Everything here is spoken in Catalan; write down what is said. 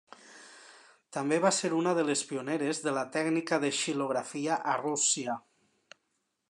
També va ser una de les pioneres de la tècnica de xilografia a Rússia.